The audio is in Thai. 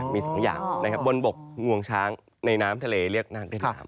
มี๒อย่างนะครับบนบกงวงช้างในน้ำทะเลเรียกนาคด้วยน้ำ